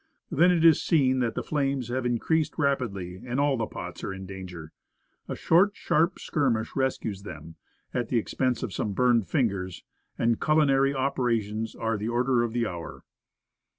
Then it is seen that the flames have increased rapidly, and all the pots are in danger. A short, sharp skirmish rescues them, at the expense of some burned fingers, and culinary operations are the order of the hour.